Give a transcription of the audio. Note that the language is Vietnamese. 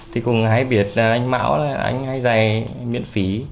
thì cũng hay biết anh mão là anh hay dạy miễn phí